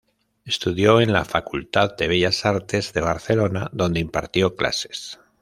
Estudió en la Facultad de Bellas Artes de Barcelona, donde impartió clases.